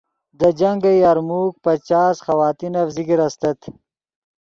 دے جنگ یرموک پچاس خواتینف ذکر استت